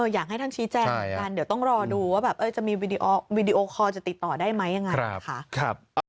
อยากให้ท่านชี้แจงเหมือนกันเดี๋ยวต้องรอดูว่าแบบจะมีวีดีโอคอลจะติดต่อได้ไหมยังไงนะคะ